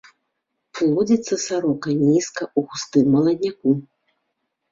Плодзіцца сарока нізка ў густым маладняку.